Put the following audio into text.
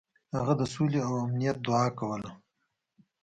هغه د سولې او امنیت دعا کوله.